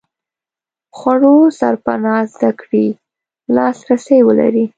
خوړو سرپناه زده کړې لاس رسي ولري.